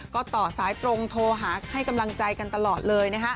ก็ต่อสายตรงโทรหาให้กำลังใจกันตลอดเลย